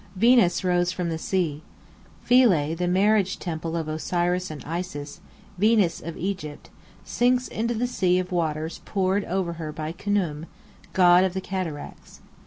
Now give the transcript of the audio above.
Venus rose from the sea. Philae, the Marriage Temple of Osiris and Isis Venus of Egypt sinks into the sea of waters poured over her by Khnum, god of the Cataracts.